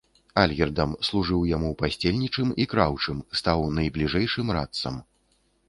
Альгердам, служыў яму пасцельнічым і краўчым, стаў найбліжэйшым радцам.